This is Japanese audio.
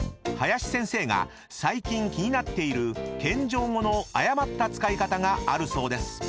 ［林先生が最近気になっている謙譲語の誤った使い方があるそうです］